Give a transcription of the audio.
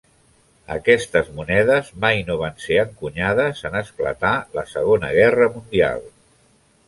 Aquestes monedes mai no van ser encunyades en esclatar la Segona Guerra Mundial.